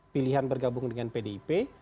pilihan bergabung dengan pdip